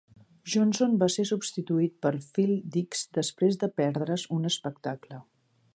Johnson va ser substituït per Phil Dix després de perdre's un espectacle.